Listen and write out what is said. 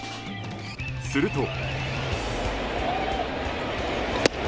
すると。